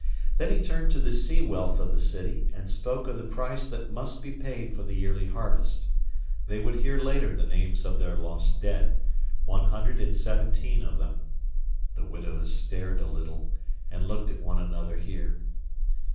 Then he turned to the sea wealth of the city, and spoke of the price that must be paid for the yearly harvest. They would hear later the names of their lost dead one hundred and seventeen of them. (The widows stared a little, and looked at one another here.)